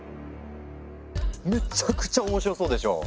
めちゃくちゃ面白そうでしょ。